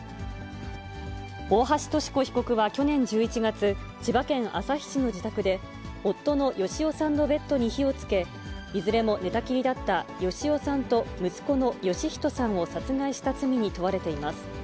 大橋とし子被告は去年１１月、千葉県旭市の自宅で夫の芳男さんのベッドに火をつけ、いずれも寝たきりだった芳男さんと息子の芳人さんを殺害した罪に問われています。